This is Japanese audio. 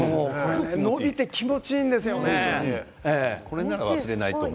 伸びて気持ちいいんですよね。